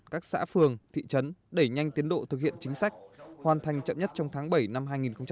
các xã phường thị trấn đẩy nhanh tiến độ thực hiện chính sách hoàn thành chậm nhất trong tháng bảy năm hai nghìn hai mươi